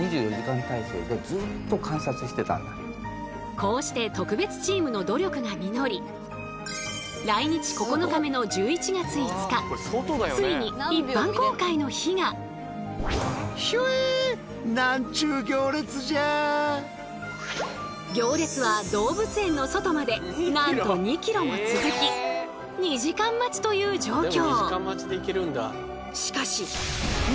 こうして特別チームの努力が実り来日９日目の行列は動物園の外までなんと２ｋｍも続き２時間待ちという状況。